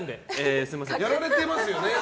やられてますよね。